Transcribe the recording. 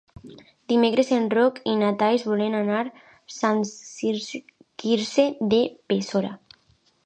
Dimecres en Roc i na Thaís volen anar a Sant Quirze de Besora.